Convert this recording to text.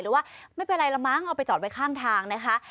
ว่าไม่เป็นไรละมั้งเอาไปจอดไว้ข้างทางนะคะ